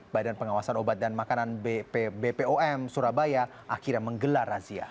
badan pengawasan obat dan makanan bpom surabaya akhirnya menggelar razia